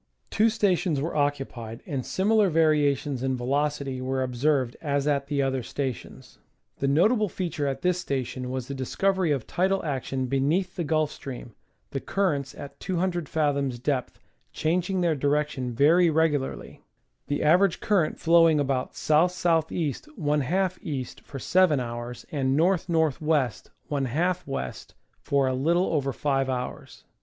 Two stations were occupied, and similar variations in velocity were observed as at the other stations. The notable feature at this station was the discovery of tidal action beneath the Gulf Stream, the currents at 200 fathoms depth changing their direction very regularly, the average current flow 144 National Geographic Magazine. ing about S. S. E. \ E. for V hours and K N. W. \ W. for a little over 5 hours.